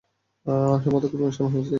সম্ভবত খুব ইমোশনাল হয়ে গেছে।